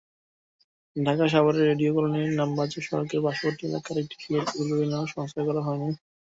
ঢাকার সাভারের রেডিও কলোনি-নামাবাজার সড়কের বাঁশপট্টি এলাকার একটি সেতু দীর্ঘদিনেও সংস্কার করা হয়নি।